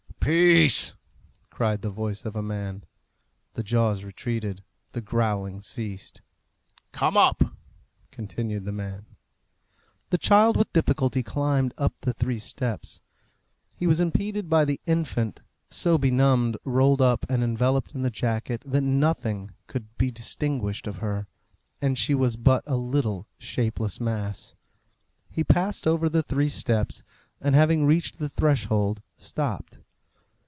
"Peace!" cried the voice of the man. The jaws retreated, the growling ceased. "Come up!" continued the man. The child with difficulty climbed up the three steps. He was impeded by the infant, so benumbed, rolled up and enveloped in the jacket that nothing could be distinguished of her, and she was but a little shapeless mass. He passed over the three steps; and having reached the threshold, stopped.